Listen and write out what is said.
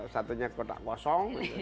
satu nya kotak kosong